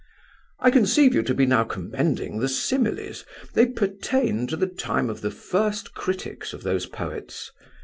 "I conceive you to be now commending the similes. They pertain to the time of the first critics of those poets.